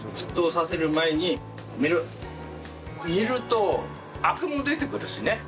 煮るとアクも出てくるしね。